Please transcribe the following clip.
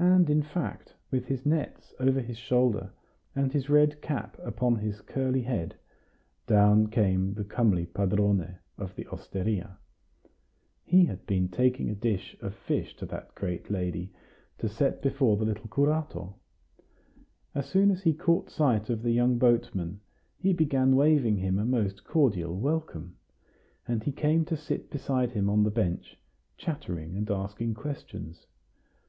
And in fact, with his nets over his shoulder, and his red cap upon his curly head, down came the comely padrone of the osteria. He had been taking a dish of fish to that great lady, to set before the little curato. As soon as he caught sight of the young boatman, he began waving him a most cordial welcome; and he came to sit beside him on the bench, chattering and asking questions.